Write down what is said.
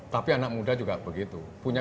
tapi anak muda juga begitu punya